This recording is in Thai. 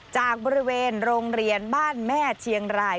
จากบริเวณโรงเรียนบ้านแม่เชียงราย